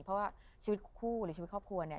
เพราะว่าชีวิตคู่หรือชีวิตครอบครัวเนี่ย